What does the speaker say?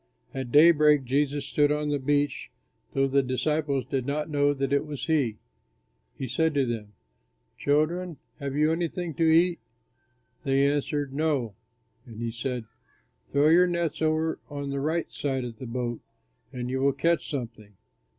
At daybreak Jesus stood on the beach, though the disciples did not know that it was he. He said to them, "Children, have you anything to eat?" They answered, "No." And he said, "Throw your net over on the right side of the boat and you will catch something."